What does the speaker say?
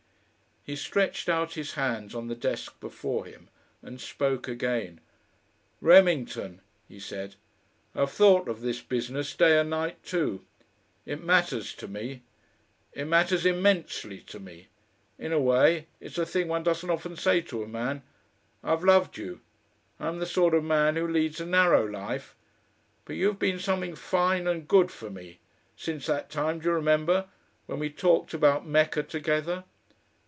He stretched out his hands on the desk before him, and spoke again. "Remington," he said, "I've thought of this business day and night too. It matters to me. It matters immensely to me. In a way it's a thing one doesn't often say to a man I've loved you. I'm the sort of man who leads a narrow life.... But you've been something fine and good for me, since that time, do you remember? when we talked about Mecca together."